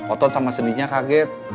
otot sama sendinya kaget